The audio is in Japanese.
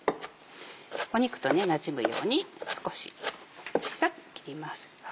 肉となじむように少し小さく切ります。